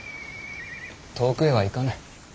遠くへは行かぬ。